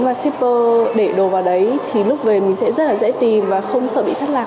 và shipper để đồ vào đấy thì lúc về mình sẽ rất là dễ tìm và không sợ bị thất lạc